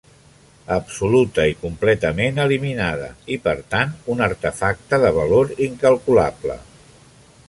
Absoluta i completament eliminada, i per tant un artefacte de valor incalculable.